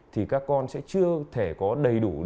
thì các con sẽ chưa thể có đầy đủ